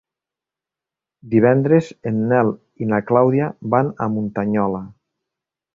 Divendres en Nel i na Clàudia van a Muntanyola.